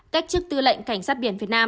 cách trước tư lệnh cảnh sát biển việt nam